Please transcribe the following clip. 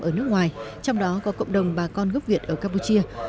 ở nước ngoài trong đó có cộng đồng bà con gốc việt ở campuchia